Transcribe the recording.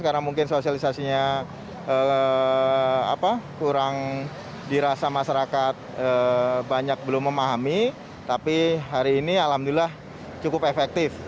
karena mungkin sosialisasinya kurang dirasa masyarakat banyak belum memahami tapi hari ini alhamdulillah cukup efektif